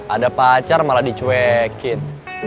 ada pacar malah dicuekin